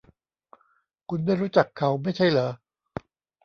คุณไม่รู้จักเขาไม่ใช่หรอ ?